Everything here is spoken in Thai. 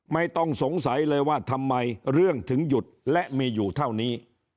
ไม่ต้องสงสัยเลยว่าทำไมเรื่องถึงหยุดและมีอยู่เท่านี้